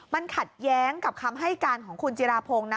มันขัดแย้งกับคำให้การของคุณจิราพงศ์นะ